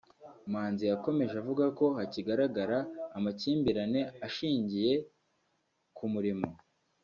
Manzi yakomeje avuga ko hakigaragara amakimbirane ashingiye ku murimo